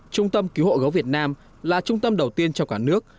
trung tâm cứu hộ gấu việt nam là trung tâm đầu tiên trong cả nước